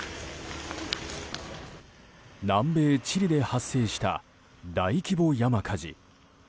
南米チリで発生した大規模山火事。